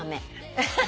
アハハ！